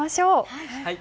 はい。